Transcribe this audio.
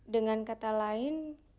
dengan kata lain